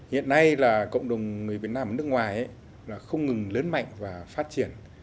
hiện nay là cộng đồng người việt nam ở nước ngoài là không ngừng lớn mạnh và phát triển